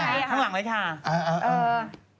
เออเออเออ